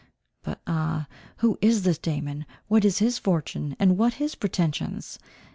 But ah! who is this Damon? What is his fortune, and what his pretensions?